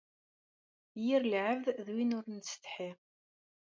Yir lɛebd d win ur nettsetḥi.